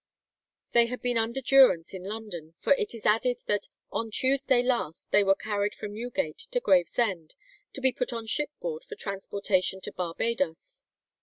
They had been under durance in London, for it is added that "on Tuesday last they were carried from Newgate to Gravesend, to be put on shipboard for transportation to Barbadoes."